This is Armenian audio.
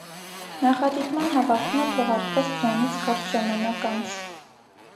Նախադիտման հավաքումը թողարկվեց դրանից կարճ ժամանակ անց։